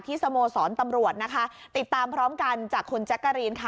สโมสรตำรวจนะคะติดตามพร้อมกันจากคุณแจ๊กกะรีนค่ะ